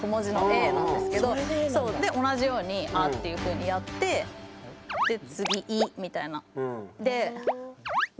で同じように「あ」っていうふうにやってで次「い」みたいな。で「う」。